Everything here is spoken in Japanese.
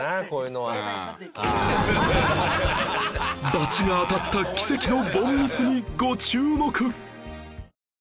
バチが当たった奇跡の凡ミスにご注目！